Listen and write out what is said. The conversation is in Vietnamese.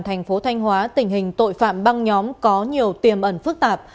thành phố thanh hóa tình hình tội phạm băng nhóm có nhiều tiềm ẩn phức tạp